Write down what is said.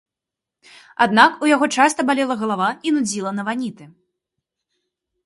Аднак у яго часта балела галава і нудзіла на ваніты.